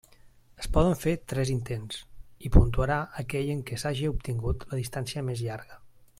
Es poden fer tres intents, i puntuarà aquell en què s'hagi obtingut la distància més llarga.